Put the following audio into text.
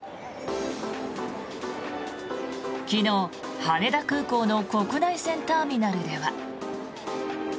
昨日、羽田空港の国内線ターミナルでは。